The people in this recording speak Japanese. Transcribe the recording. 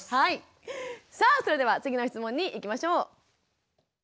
さあそれでは次の質問にいきましょう。